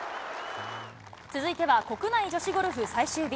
続いては国内女子ゴルフ最終日。